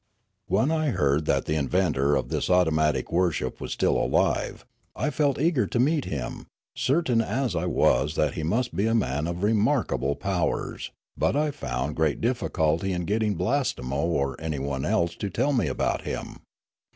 When I heard that the inventor of this automatic worship w as still alive, I felt eager to see him, certain as I was that he must be a man of remarkable powers; but I found great difficulty in getting Blastemo or anyone else to tell me about him.